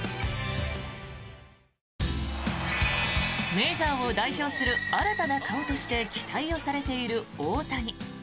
メジャーを代表する新たな顔として期待をされている大谷。